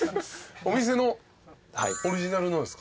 お店のオリジナルのですか？